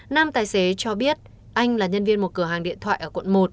nam tài xế cho biết anh là nhân viên một cửa hàng điện thoại ở quận một